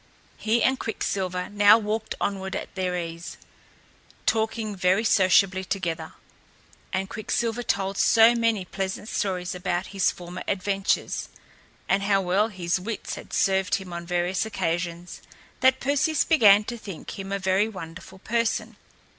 He and Quicksilver now walked onward at their ease, talking very sociably together; and Quicksilver told so many pleasant stories about his former adventures and how well his wits had served him on various occasions that Perseus began to think him a very wonderful person.